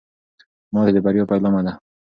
ماتې د بریا پیلامه ده.